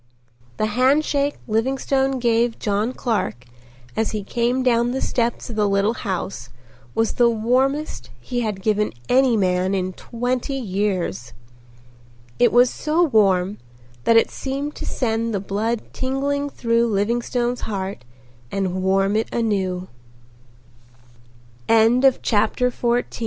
The handshake Livingstone gave John Clark as he came down the steps of the little house was the warmest he had given any man in twenty years. It was so warm that it seemed to send the blood tingling through Livingstone's heart and warm it anew. CHAPTER XV Livingstone drove home throu